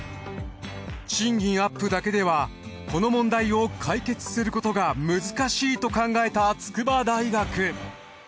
賃金アップだけではこの問題を解決することが難しいと考えた筑波大学。